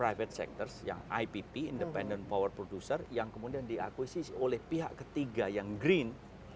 private sectors yang ipp independent power producer yang kemudian diakuisisi oleh pihak ketiga yang green